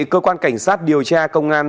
cơ quan cảnh sát điều tra công an